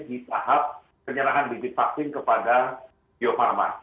jadi kita harus sampai di tahap penyerahan divaksin kepada geofarma